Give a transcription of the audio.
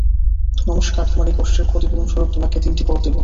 নমস্কার, তোমার এই কষ্টের ক্ষতিপূরণস্বরূপ তোমাকে তিনটি বর দিব।